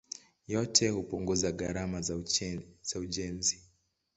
Yote hupunguza gharama za ujenzi.